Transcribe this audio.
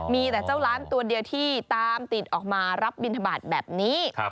มีแต่เจ้าล้านตัวเดียวที่ตามติดออกมารับบินทบาทแบบนี้